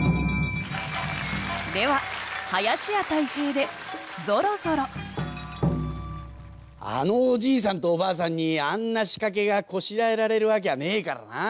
では林家たい平で「ぞろぞろ」「あのおじいさんとおばあさんにあんな仕掛けがこしらえられるわけはねえからな。